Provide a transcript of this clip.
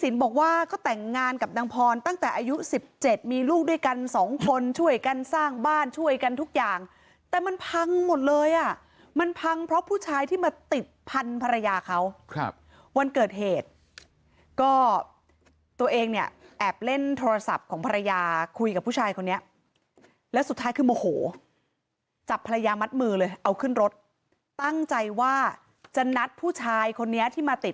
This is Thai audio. บอกว่าก็แต่งงานกับนางพรตั้งแต่อายุ๑๗มีลูกด้วยกันสองคนช่วยกันสร้างบ้านช่วยกันทุกอย่างแต่มันพังหมดเลยอ่ะมันพังเพราะผู้ชายที่มาติดพันธุ์ภรรยาเขาครับวันเกิดเหตุก็ตัวเองเนี่ยแอบเล่นโทรศัพท์ของภรรยาคุยกับผู้ชายคนนี้แล้วสุดท้ายคือโมโหจับภรรยามัดมือเลยเอาขึ้นรถตั้งใจว่าจะนัดผู้ชายคนนี้ที่มาติด